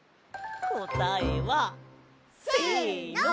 こたえは。せの！